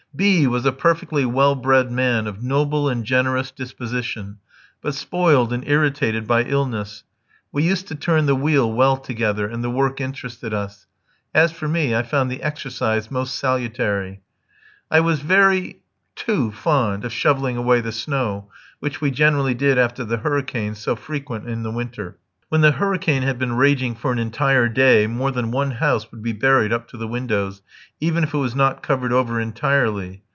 B was a perfectly well bred man, of noble and generous disposition, but spoiled and irritated by illness. We used to turn the wheel well together, and the work interested us. As for me, I found the exercise most salutary. I was very too fond of shovelling away the snow, which we generally did after the hurricanes, so frequent in the winter. When the hurricane had been raging for an entire day, more than one house would be buried up to the windows, even if it was not covered over entirely.